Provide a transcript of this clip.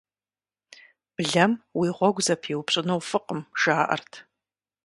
Блэм уи гъуэгу зэпиупщӀыну фӀыкъым, жаӀэрт.